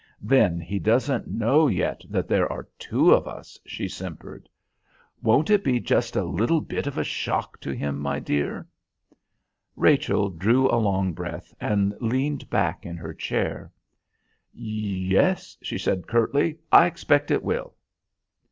"Then he doesn't know yet that there are two of us?" she simpered. "Won't it be just a little bit of a shock to him, my dear?" Rachel drew a long breath and leaned back in her chair. "Yes," she said curtly, "I expect it will."